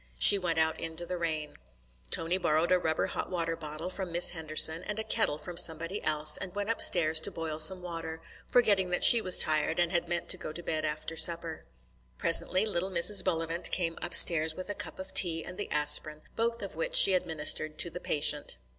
She went out into the rain. Tony borrowed a rubber hot water bottle from Miss Henderson, and a kettle from somebody else, and went upstairs to boil some water, forgetting that she was tired and had meant to go to bed after supper. Presently little Mrs. Bullivant came upstairs with a cup of tea and the aspirin, both of which she administered to the patient.